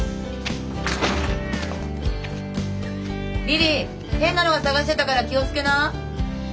リリィ変なのが捜してたから気を付けな。